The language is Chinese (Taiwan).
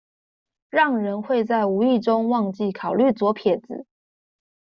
讓人會在無意中忘記考慮左撇子